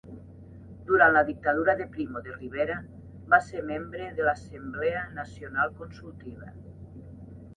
Durant la Dictadura de Primo de Rivera va ser membre de l'Assemblea Nacional Consultiva.